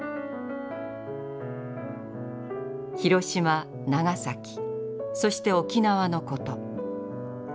広島長崎そして沖縄のこと。